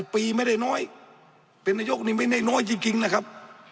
ปีไม่ได้น้อยเป็นนายกนี่ไม่ได้น้อยจริงนะครับ